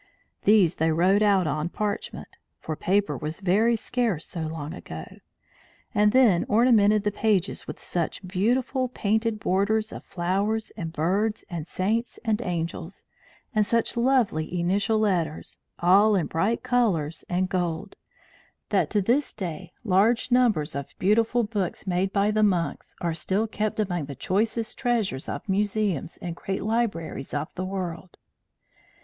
These they wrote out on parchment (for paper was very scarce so long ago), and then ornamented the pages with such beautiful painted borders of flowers and birds and saints and angels, and such lovely initial letters, all in bright colours and gold, that to this day large numbers of the beautiful books made by the monks are still kept among the choicest treasures of the museums and great libraries of the world.